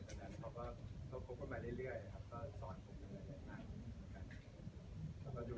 เรื่อยครับก็สอนผมกันมากแล้วก็ดูแลผมได้ดีมากครับผม